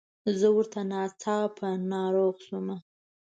زه ورته ناڅاپه ناروغه شوم.